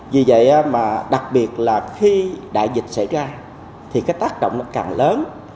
vì vậy mà đặc biệt là khi đại dịch xảy ra thì cái tác động nó càng lớn